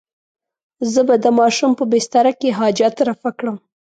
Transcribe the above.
زه به د ماشوم په بستره کې حاجت رفع کړم.